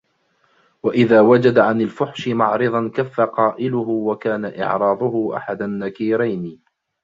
وَإِذَا وَجَدَ عَنْ الْفُحْشِ مَعْرِضًا كَفَّ قَائِلُهُ وَكَانَ إعْرَاضُهُ أَحَدَ النَّكِيرَيْنِ